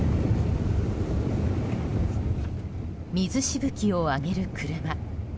水しぶきを上げる車。